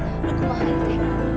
aduh gue mahal itu